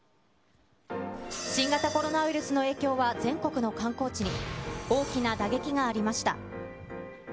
新型コロナウイルスの影響は全国の観光地に、大きな打撃がありました。